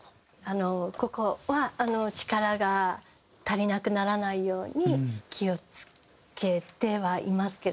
ここは力が足りなくならないように気を付けてはいますけれども。